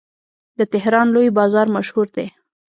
د تهران لوی بازار مشهور دی.